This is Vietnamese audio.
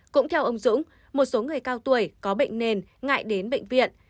cũng theo ông dũng một số người cao tuổi có bệnh nền ngại đến bệnh viện